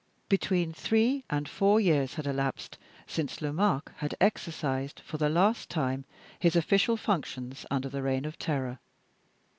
Between three and four years had elapsed since Lomaque had exercised, for the last time, his official functions under the Reign of Terror.